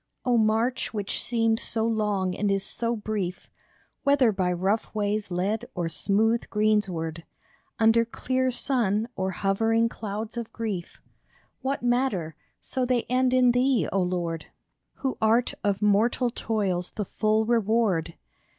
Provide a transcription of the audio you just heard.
O march which seemed so long and is so brief ! Whether by rough ways led or smooth greensward, Under clear sun or hovering clouds of grief, What matter, so they end in thee, O Lord ! Who art of mortal toils the full reward